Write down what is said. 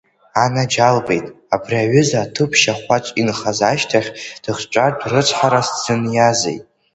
Анаџьалбеит, абри аҩыза аҭыԥ шьахәаҿ инхаз ашьҭахь дыхҵәартә рыцҳарас дзыниазеи?!